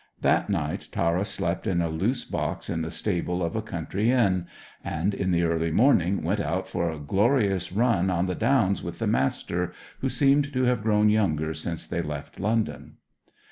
That night Tara slept in a loose box in the stable of a country inn, and in the early morning went out for a glorious run on the Downs with the Master, who seemed to have grown younger since they left London.